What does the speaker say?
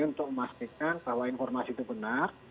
untuk memastikan bahwa informasi itu benar